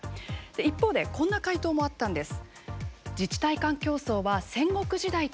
一方でこんな回答もあったんです。